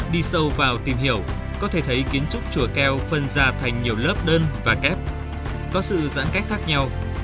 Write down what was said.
đi sâu vào tìm hiểu có thể thấy kiến trúc chùa keo phân ra thành nhiều lớp đơn và kép có sự giãn cách khác nhau